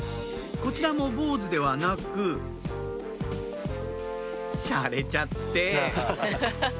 こちらも坊ずではなくシャレちゃって！